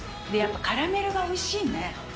カラメルがおいしいね。